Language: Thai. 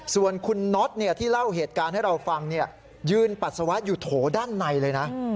ส่วนคุณน็อตที่เล่าเหตุการณ์ให้เราฟังยืนปัสสาวะอยู่โถด้านในเลยนะ